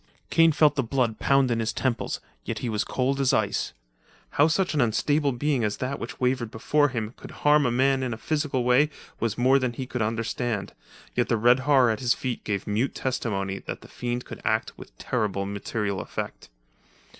Kane felt the blood pound in his temples, yet he was as cold as ice. How such an unstable being as that which wavered before him could harm a man in a physical way was more than he could understand, yet the red horror at his feet gave mute testimony that the fiend could act with terrible material effect.